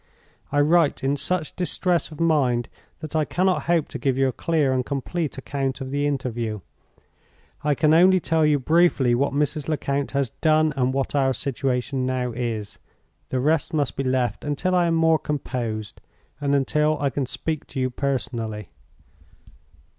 "I write in such distress of mind that I cannot hope to give you a clear and complete account of the interview. I can only tell you briefly what Mrs. Lecount has done, and what our situation now is. The rest must be left until I am more composed, and until I can speak to you personally.